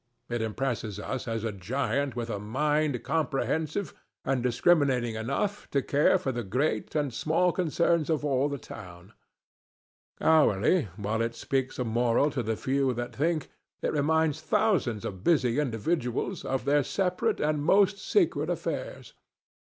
It impresses us as a giant with a mind comprehensive and discriminating enough to care for the great and small concerns of all the town. Hourly, while it speaks a moral to the few that think, it reminds thousands of busy individuals of their separate and most secret affairs.